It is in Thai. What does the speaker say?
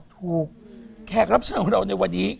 ถูกแขกรับเสนอของเราในวันนี้